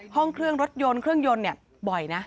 ห้องเครื่องรถยนต์เครื่องยนต์บ่อยนะ